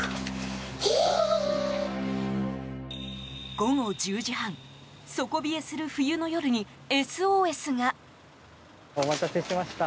午後１０時半底冷えする冬の夜にＳＯＳが。